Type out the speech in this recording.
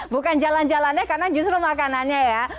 bukan jalan jalannya karena justru makanannya ya